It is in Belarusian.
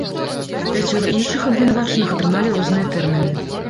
Пяцёра іншых абвінавачаных атрымалі розныя тэрміны.